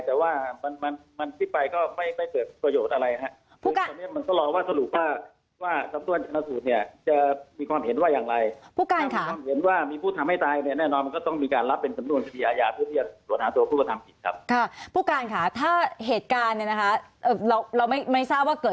แต่ว่ามันคิดไปก็ไม่เกิดประโยชน์อะไร